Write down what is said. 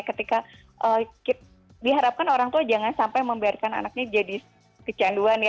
ketika diharapkan orang tua jangan sampai membiarkan anaknya jadi kecanduan ya